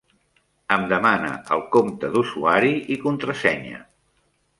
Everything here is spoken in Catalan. Em demana el compte d'usuari i contrasenya.